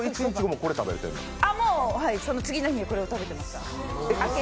もうその次の日にはこれを食べてました。